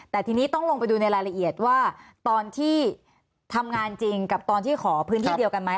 แต่ทีนี้ต้องลงไปดูในรายละเอียดว่าตอนที่ทำงานจริงกับตอนที่ขอพื้นที่เดียวกันไหม